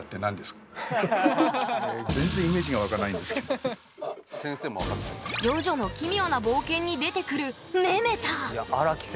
今回「ジョジョの奇妙な冒険」に出てくる「メメタァ」。